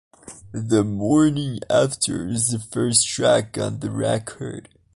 "The Morning After" is the first track on the record.